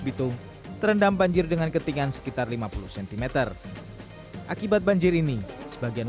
bitung terendam banjir dengan ketinggian sekitar lima puluh cm akibat banjir ini sebagian